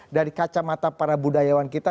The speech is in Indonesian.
dari kacamata para budayawan kita